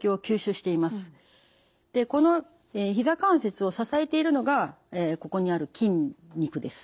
このひざ関節を支えているのがここにある筋肉です。